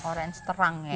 orange terang ya